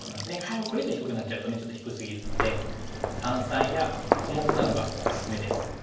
これ以上低くなっちゃうとちょっと低すぎるので三々や小目などがおすすめです。